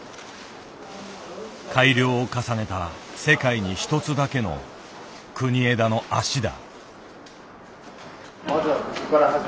改良を重ねた世界に一つだけの国枝の「脚」だ。